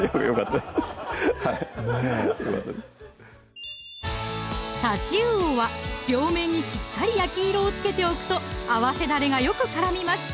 たちうおは両面にしっかり焼き色をつけておくと合わせだれがよく絡みます